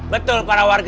betul para warga